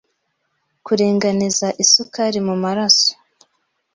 Kuringaniza isukari mu maraso